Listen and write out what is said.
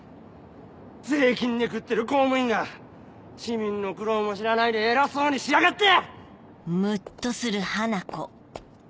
税金で食ってる公務員が市民の苦労も知らないで偉そうにしやがって！